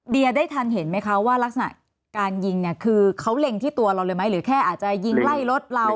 เดียได้ทันเห็นไหมคะว่ารักษณะการยิงเนี่ยคือเขาเล็งที่ตัวเราเลยไหมหรือแค่อาจจะยิงไล่รถเรา